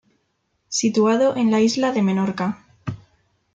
Situado en la isla de Menorca.